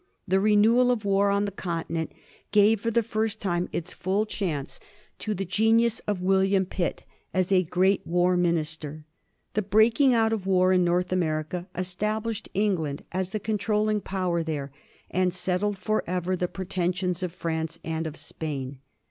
The renewal of war on the Continent gave for the first time its full chance to the 1756. ENGLAKDS CONTROL IN NORTH AMERICA. 281 genias of William Pitt as a great war minister. The breaking out of war in North America established Eng land as the controlling power there^ and settled forever the pretensions of France and of Spain.